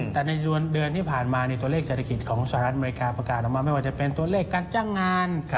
แต่ในเดือนที่ผ่านมาตัวเลขเศรษฐกิจของสหรัฐอเมริกาประกาศออกมาไม่ว่าจะเป็นตัวเลขการจ้างงาน